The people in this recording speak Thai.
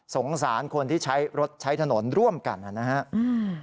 สงสารคนที่ใช้รถใช้ถนนร่วมกันนะครับ